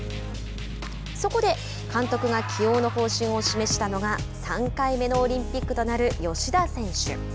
そこで監督が起用の方針を示したのが３回目のオリンピックとなる吉田選手。